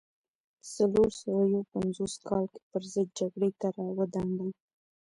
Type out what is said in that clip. په څلور سوه یو پنځوس کال کې پرضد جګړې ته را ودانګل.